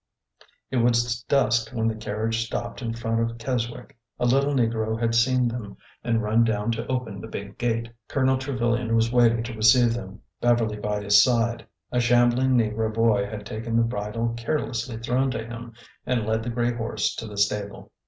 It was dusk when the carriage stopped in front of Kes wick. A little negro had seen them and run down to open the "big gate." Colonel Trevilian was waiting to MISS ABBY ANN ARRIVES 25 receive them, Beverly by his side. A shambling negro boy had taken the bridle carelessly thrown to him, and led the gray horse to the stable.